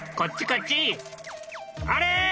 あれ！？